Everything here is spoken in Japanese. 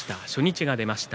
初日が出ました。